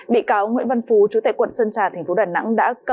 bị cáo nguyễn văn phú trú tại quận sơn trà tp đà nẵng